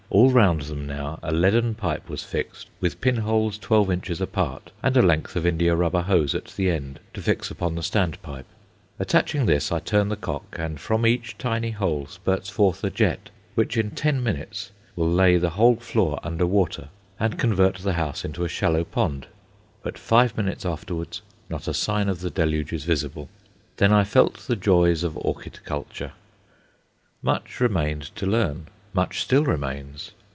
All round them now a leaden pipe was fixed, with pin holes twelve inches apart, and a length of indiarubber hose at the end to fix upon the "stand pipe." Attaching this, I turn the cock, and from each tiny hole spurts forth a jet, which in ten minutes will lay the whole floor under water, and convert the house into a shallow pond; but five minutes afterwards not a sign of the deluge is visible. Then I felt the joys of orchid culture. Much remained to learn much still remains.